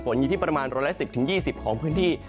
อยู่ที่ประมาณ๑๑๐๒๐ของพื้นที่